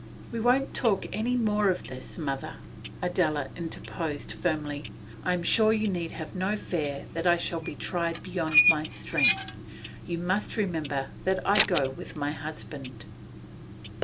'We won't talk any more of this, mother,' Adela interposed firmly. 'I am sure you need have no fear that I shall be tried beyond my strength. You must remember that I go with my husband.